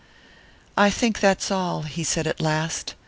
"'I think that's all,' he said at last.